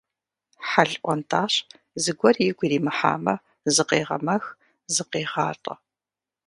Хьэл ӏуэнтӏащ, зыгуэр игу иримыхьамэ зыкъегъэмэх, зыкъегъалӏэ.